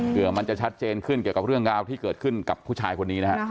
เพื่อมันจะชัดเจนขึ้นเกี่ยวกับเรื่องราวที่เกิดขึ้นกับผู้ชายคนนี้นะฮะ